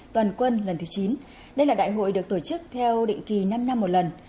toàn quân lần thứ chín đây là đại hội được tổ chức theo định kỳ năm năm một lần